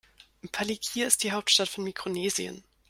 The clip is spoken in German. Palikir ist die Hauptstadt von Mikronesien.